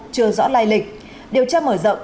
chưa rõ lai lịch điều tra mở rộng